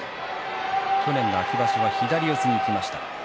去年の秋場所は左四つにいきました。